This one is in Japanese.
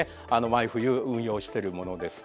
毎冬運用してるものです。